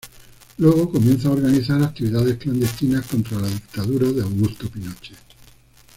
Luego, comienzan a organizar actividades clandestinas contra la dictadura de Augusto Pinochet.